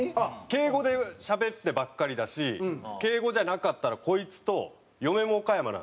敬語でしゃべってばっかりだし敬語じゃなかったらこいつと嫁も岡山なんで。